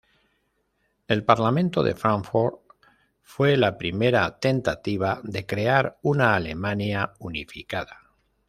El Parlamento de Fráncfort fue la primera tentativa de crear una Alemania unificada.